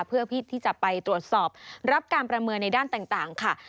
เพื่อที่จะไปตรวจสอบรับการประเมินในด้านต่างค่ะ